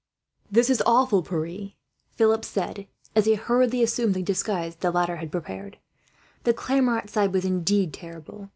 "This is awful, Pierre," Philip said, as he hurriedly assumed the disguise the latter had prepared. The clamour outside was indeed terrible.